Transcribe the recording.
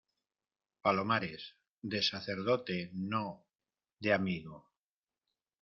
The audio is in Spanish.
palomares, de sacerdote , no , de amigo.